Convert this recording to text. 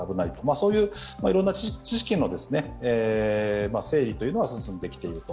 そういういろんな知識の整理は進んできていると。